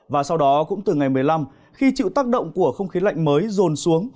và sau đó cũng từ ngày một mươi năm khi chịu tác động của không khí lạnh mới rồn xuống